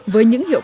với những hiệu quả